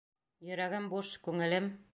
Йөрәгем буш, күңелем.